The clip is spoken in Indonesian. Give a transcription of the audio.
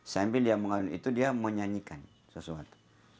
sambil dia mengandung itu dia menyanyikan sesuatu